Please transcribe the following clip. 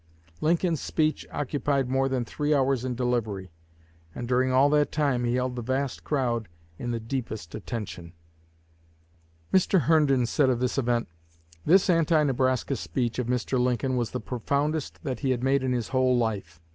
Lincoln's speech occupied more than three hours in delivery, and during all that time he held the vast crowd in the deepest attention." Mr. Herndon said of this event: "This anti Nebraska speech of Mr. Lincoln was the profoundest that he made in his whole life.